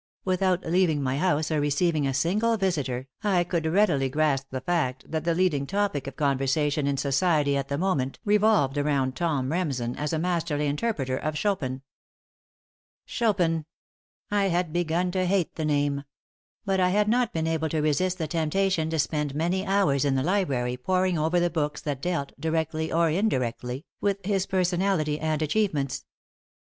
Without leaving my house or receiving a single visitor, I could readily grasp the fact that the leading topic of conversation in society at the moment revolved around Tom Remsen as a masterly interpreter of Chopin. Chopin! I had begun to hate the name. But I had not been able to resist the temptation to spend many hours in the library poring over the books that dealt, directly or indirectly, with his personality and achievements.